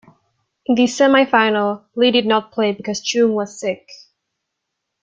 In the semi-final, Lee did not play because Choong was sick.